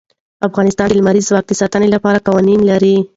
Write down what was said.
افغانستان د لمریز ځواک د ساتنې لپاره قوانین لري.